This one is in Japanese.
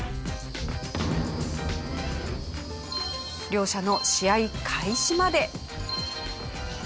両者の試合開始まで。